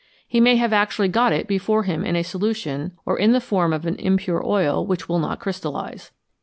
He may have actually got it before him in a solution or in the form of an impure oil which will not crystallise.